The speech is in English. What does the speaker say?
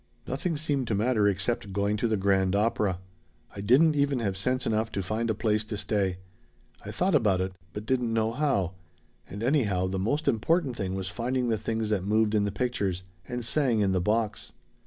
"Nothing seemed to matter except going to grand opera. I didn't even have sense enough to find a place to stay. I thought about it, but didn't know how, and anyhow the most important thing was finding the things that moved in the pictures and sang in the box.